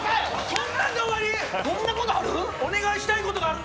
そんなことある？